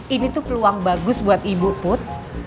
ini tuh peluang bagus buat ibu put